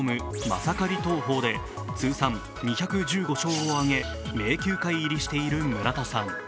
マサカリ投法で通算２１５勝を挙げ名球会入りしている村田さん。